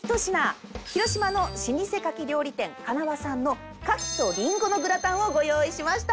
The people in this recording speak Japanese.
広島の老舗牡蠣料理店かなわさんのかきと林檎のグラタンをご用意しました！